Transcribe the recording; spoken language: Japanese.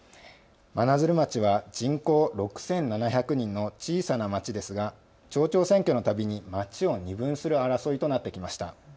真鶴町は人口６７００人の小さな町ですが町長選挙のたびに町を二分する争いとなってきました。